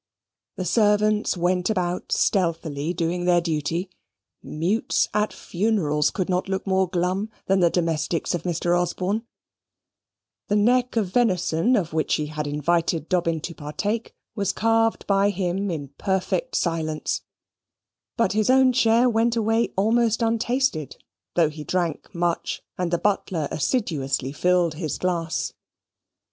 The servants went about stealthily doing their duty. Mutes at funerals could not look more glum than the domestics of Mr. Osborne The neck of venison of which he had invited Dobbin to partake, was carved by him in perfect silence; but his own share went away almost untasted, though he drank much, and the butler assiduously filled his glass.